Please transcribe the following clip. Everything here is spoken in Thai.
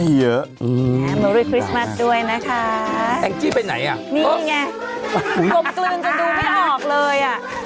โมริคริสต์มัสด้วยนะคะแองจี้ไปไหนอ่ะนี่ไงกลมกลืนจนดูไม่ออกเลยอ่ะ